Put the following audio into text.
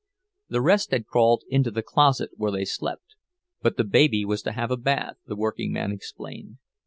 The rest had crawled into the closet where they slept, but the baby was to have a bath, the workingman explained.